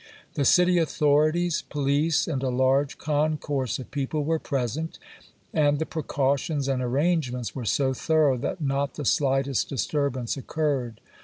The chap.vih. city authorities, police, and a large concourse of people were present; and the precautions and arrangements were so thorough that not the slightest disturbance occurred.